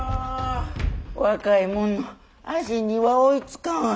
若いもんの足には追いつかんわ。